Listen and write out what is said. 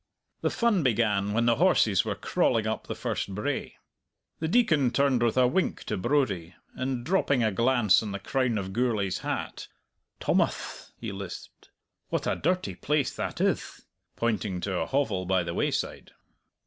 The fun began when the horses were crawling up the first brae. The Deacon turned with a wink to Brodie, and dropping a glance on the crown of Gourlay's hat, "Tummuth," he lisped, "what a dirty place that ith!" pointing to a hovel by the wayside.